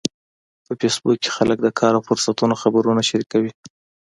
په فېسبوک کې خلک د کار او فرصتونو خبرونه شریکوي